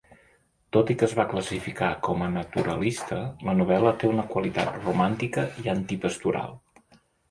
Tot i que es va classificar com a naturalista, la novel·la té una qualitat romàntica i antipastoral.